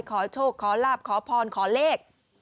ขอโชคขอลาบขอพรขอเลข